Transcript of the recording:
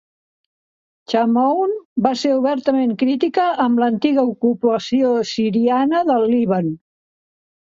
Chamoun va ser obertament crítica amb l'antiga ocupació siriana del Líban.